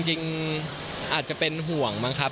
จริงอาจจะเป็นห่วงบ้างครับ